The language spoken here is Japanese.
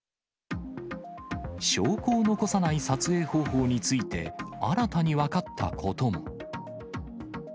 証拠を残さない撮影方法について、新たに分かったことも。